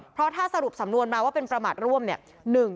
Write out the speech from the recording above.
เพราะถ้าสรุปสำนวนมาว่าเป็นประมาทร่วมเนี่ย